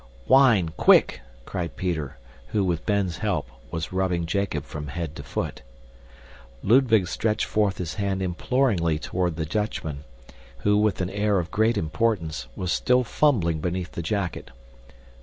"Wine, quick!" cried Peter, who, with Ben's help, was rubbing Jacob from head to foot. Ludwig stretched forth his hand imploringly toward the Dutchman, who, with an air of great importance, was still fumbling beneath the jacket.